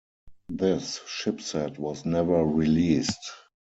This chipset was never released.